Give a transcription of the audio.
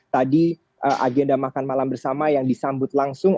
tadi agenda makan malam bersama yang disambut langsung